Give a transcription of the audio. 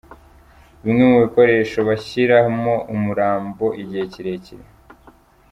Bimwe mu bikoresho bashyiramo umurambo igihe kirekire.